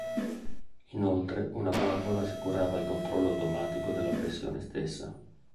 Inoltre una valvola assicurava il controllo automatico della pressione stessa.